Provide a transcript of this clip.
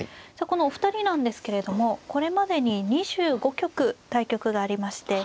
このお二人なんですけれどもこれまでに２５局対局がありまして。